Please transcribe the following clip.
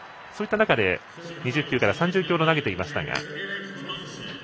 そういった中で２０球から３０球ほど投げていましたが。